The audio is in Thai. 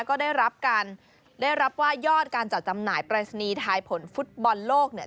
ก็ได้รับการได้รับว่ายอดการจัดจำหน่ายปรายศนีย์ทายผลฟุตบอลโลกเนี่ย